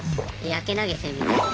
やけ投げ銭みたいな。